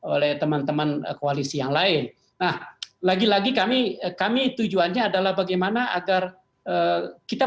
oleh teman teman koalisi yang lain nah lagi lagi kami kami tujuannya adalah bagaimana agar kita